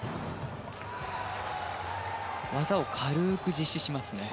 技を軽く実施しますね。